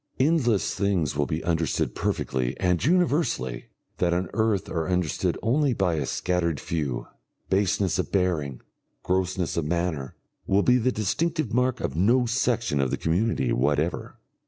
Endless things will be understood perfectly and universally that on earth are understood only by a scattered few; baseness of bearing, grossness of manner, will be the distinctive mark of no section of the community whatever.